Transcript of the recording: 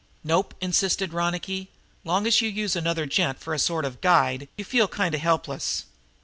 "Nope," insisted Ronicky. "Long as you use another gent for a sort of guide you feel kind of helpless.